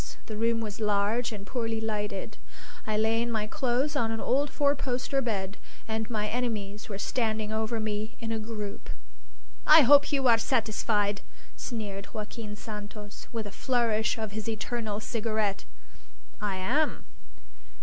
The room was large and poorly lighted. I lay in my clothes on an old four poster bed. And my enemies were standing over me in a group. "I hope you are satisfied!" sneered Joaquin Santos, with a flourish of his eternal cigarette. "I am.